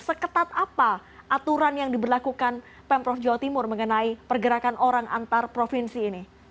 seketat apa aturan yang diberlakukan pemprov jawa timur mengenai pergerakan orang antar provinsi ini